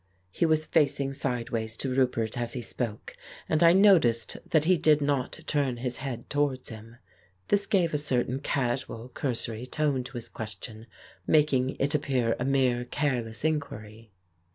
He was facing sideways to Roupert as he spoke, and I noticed that he did not turn his head towards him. This gave a certain casual cursory tone to his question, making it appear a mere careless inquiry.